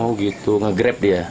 oh gitu nge grab dia